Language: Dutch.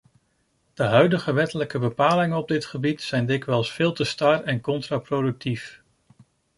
De huidige wettelijke bepalingen op dit gebied zijn dikwijls veel te star en contraproductief.